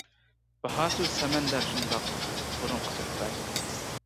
باھا سۆز سەمەندەر شۇنداق، بۇرۇنقى سۆھبەت.